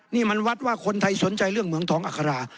นี่มันวัดว่าคนไทยสนใจเรื่องเหมืองทองอัครา